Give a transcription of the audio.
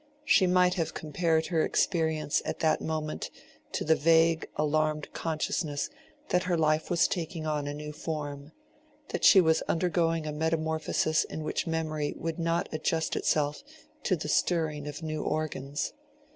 She might have compared her experience at that moment to the vague, alarmed consciousness that her life was taking on a new form, that she was undergoing a metamorphosis in which memory would not adjust itself to the stirring of new organs.